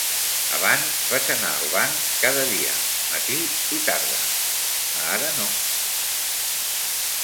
Abans vaig anar al banc cada dia matí i tarda; ara no.